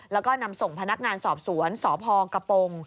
แล้วก็นำส่งพนักงานสอบสวนสพกระปง